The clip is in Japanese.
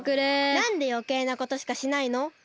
なんでよけいなことしかしないの？